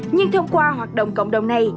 nhưng thông qua hoạt động cộng đồng này